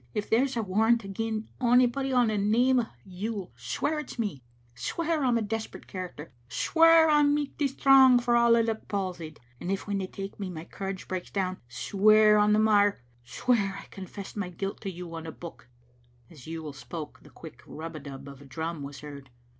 If there's a war rant agin onybody o' the name of Yuill, swear it's me; swear I'm a desperate character, swear I'm michty strong. for all I look palsied; and if when they take me, my courage breaks down, swear the mair, swear I con fessed my guilt to you on the Book." As Yuill spoke the quick rub a dub of a drum was heard.